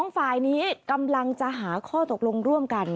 ฝ่ายนี้กำลังจะหาข้อตกลงร่วมกัน